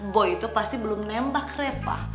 boy itu pasti belum nembah reva